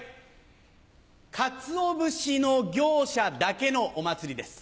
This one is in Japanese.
かつお節の業者だけのお祭りです。